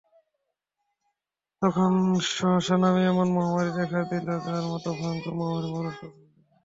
তখন সহসা শামে এমন মহামারী দেখা দিল যার মত ভয়ংকর মহামারী মানুষ কখনো দেখেনি।